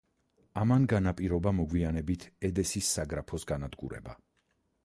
ამან განაპირობა მოგვიანებით ედესის საგრაფოს განადგურება.